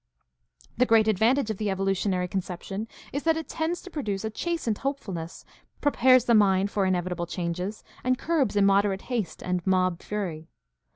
The great advantage of the evolutionary conception is that it tends to produce a chastened hopefulness, prepares the mind for inevitable changes, and curbs immoderate haste and mob fury.